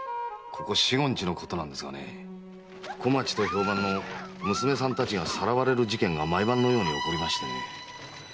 ここ四五日のことなんですが小町と評判の娘さんたちがさらわれる事件が毎晩のように起こりましてね